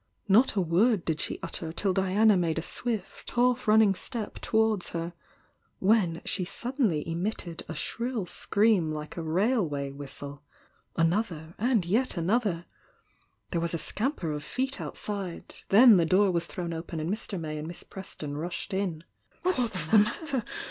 Not a word did she utter till Diana made a swift half runnmg step towards her,— when she suddenly emit ted a shrill scream like a railway whistle another and yet another There was a scamper of feet out " j'T; ®?.*"®°°°^^^ thrown open and Mr. Mav and Miss Preston rushed in. ♦ '?^*k*'^ the matter?